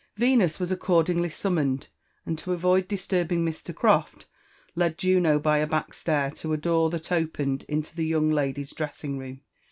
Tenus was accordingly summoned, and, to avoid tistorfaingMr. Croft, led Juno by a back stair to a door that opened isle the youag lady's dressing room.